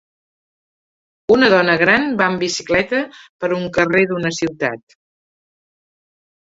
Una dona gran va amb bicicleta per un carrer d'una ciutat.